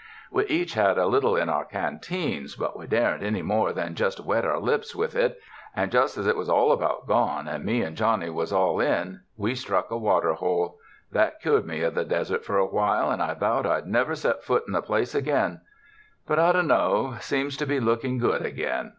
We each had a little in our canteens; but we daren't any more than just wet our lips with it, and just as it was all about gone and me and Johnny was all in, we struck a waterhole. That cured me of the desert for a while, and I vowed I'd never set foot on the place again ; but I dunno, seems to be looking good again.